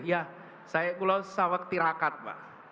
ya saya pulau sawak tirakat pak